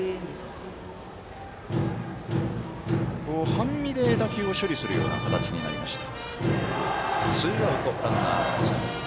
半身で、打球を処理するような形になりました。